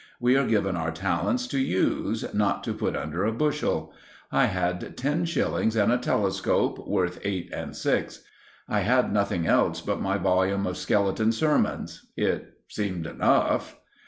We are given our talents to use, not to put under a bushel. I had ten shillings and a telescope, worth eight and six. I had nothing else but my volume of Skeleton Sermons. It seemed enough.